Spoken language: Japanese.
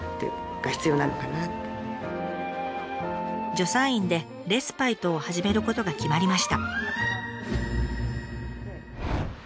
助産院でレスパイトを始めることが決まりました。